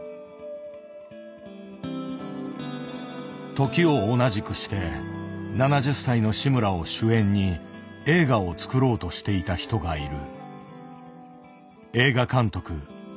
時を同じくして７０歳の志村を主演に映画を作ろうとしていた人がいる。